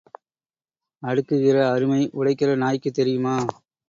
அடுக்குகிற அருமை உடைக்கிற நாய்க்குத் தெரியுமா?